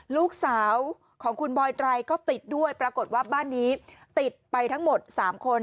ลูกสาวของคุณบอยไตรก็ติดด้วยปรากฏว่าบ้านนี้ติดไปทั้งหมด๓คน